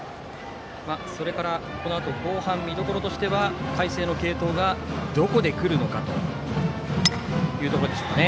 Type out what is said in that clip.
それから、このあと後半の見どころとしては海星の継投がどこでくるのかというところでしょうかね。